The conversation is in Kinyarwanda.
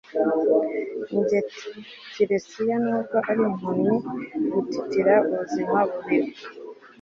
Njye Tiresiya nubwo ari impumyi gutitira ubuzima bubiri